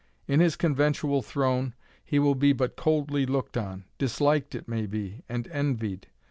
In his conventual throne he will be but coldly looked on disliked, it may be, and envied.